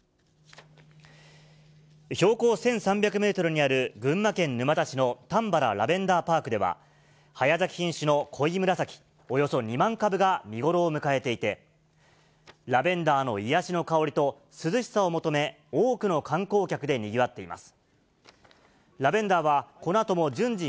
標高１３００メートルにある、群馬県沼田市のたんばらラベンダーパークでは、早咲き品種のこいむらさき、およそ２万株が見頃を迎えていて、ラベンダーの癒やしの香りと、涼しさを求め、多くの観光客でにぎわっています。